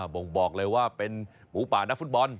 บ่งบอกเลยว่าเป็นหมูป่านักฟุตบอล